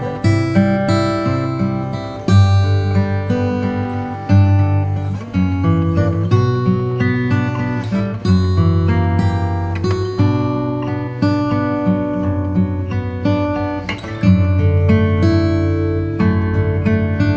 aku gak sanggup kalau aku harus kehilangan elsa dengan cara yang seperti ini